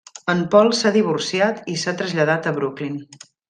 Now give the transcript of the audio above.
En Paul s'ha divorciat i s'ha traslladat a Brooklyn.